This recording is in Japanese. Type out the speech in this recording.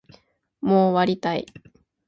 もう終わりたい